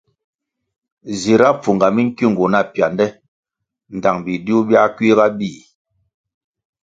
Zira pfunga minkiungu na piande ndtang bidiuh biah kuiga bíh.